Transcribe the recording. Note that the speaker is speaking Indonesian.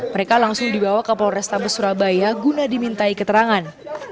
mereka langsung dibawa ke polrestabes surabaya guna dimintai keterangan